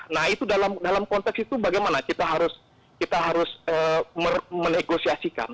nah itu dalam konteks itu bagaimana kita harus menegosiasikan